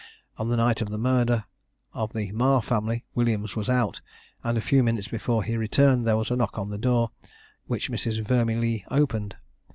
On the night of the murder of the Marr family Williams was out, and a few minutes before he returned there was a knock at the door, which Mrs. Vermillee opened.